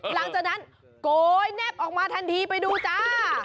หลังจากนั้นโกยแนบออกมาทันทีไปดูจ้า